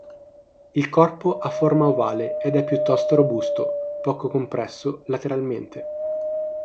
Il corpo ha forma ovale ed è piuttosto robusto, poco compresso lateralmente.